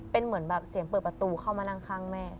เป็นเหมือนแบบเสียงเปิดประตูเข้ามานั่งข้างแม่